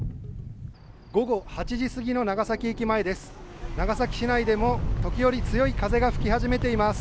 午後８時すぎの長崎駅前です。